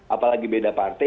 apalagi beda partai